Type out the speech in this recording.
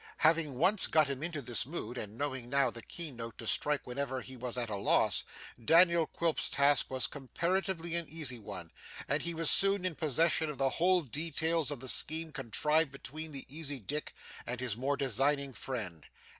Having once got him into this mood, and knowing now the key note to strike whenever he was at a loss, Daniel Quilp's task was comparatively an easy one, and he was soon in possession of the whole details of the scheme contrived between the easy Dick and his more designing friend.